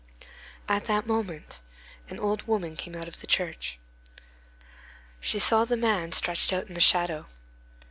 At that moment an old woman came out of the church. She saw the man stretched out in the shadow.